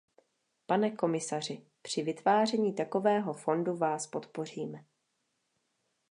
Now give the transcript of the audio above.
Pane komisaři, při vytváření takového fondu vás podpoříme.